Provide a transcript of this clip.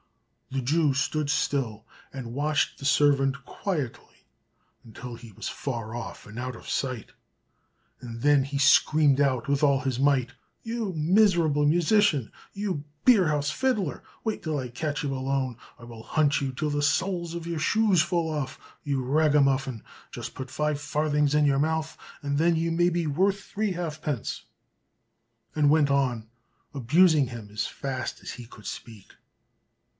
The Jew stood still and watched the servant quietly until he was far off and out of sight, and then he screamed out with all his might, "You miserable musician, you beer house fiddler! wait till I catch you alone, I will hunt you till the soles of your shoes fall off! You ragamuffin! just put five farthings in your mouth, and then you may be worth three halfpence!" and went on abusing him as fast as he could speak.